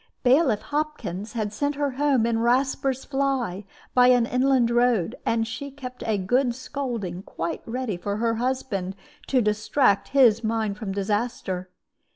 Bailiff Hopkins had sent her home in Rasper's fly by an inland road, and she kept a good scolding quite ready for her husband, to distract his mind from disaster.